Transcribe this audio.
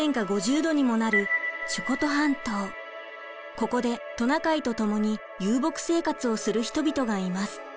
ここでトナカイと共に遊牧生活をする人々がいます。